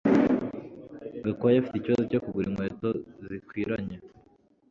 Gakwaya afite ikibazo cyo kugura inkweto zikwiranye